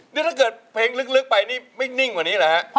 นี่ถ้าเกิดเพลงลึกไปนี่ไม่นิ่งกว่านี้เหรอฮะ